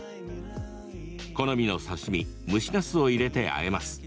好みの刺身蒸しなすを入れて、あえます。